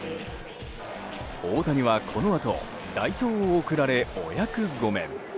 大谷はこのあと代走を送られ、お役御免。